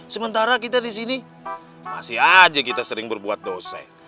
sementara kita disini masih aja kita sering berbuat dosa ya